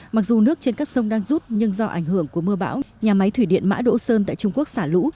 mặc dù nước trên các sông đang rút nhưng do ảnh hưởng của mưa bão nhà máy thủy điện mã đỗ sơn tại trung quốc xả lũ